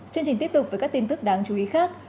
chương trình tiếp tục với các tin tức đáng chú ý khác